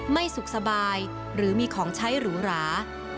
ไม่สุขสบายหรือมีของใช้หรูหรา